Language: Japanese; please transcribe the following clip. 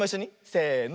せの。